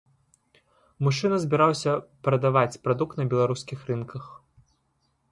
Мужчына збіраўся прадаваць прадукт на беларускіх рынках.